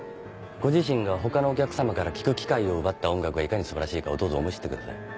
ご自身が他のお客さまから聴く機会を奪った音楽がいかに素晴らしいかをどうぞ思い知ってください。